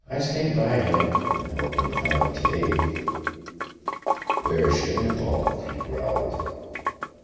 I stayed by him and helped him count up to eight. "Where's your ball?" he growled.